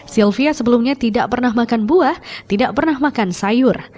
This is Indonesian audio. sylvia sebelumnya tidak pernah makan buah tidak pernah makan sayur